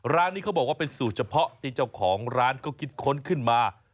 ร้านนี้เขาบอกว่าเป็นสูตรเฉพาะที่เจ้าของร้านก็คิดค้นขึ้นมา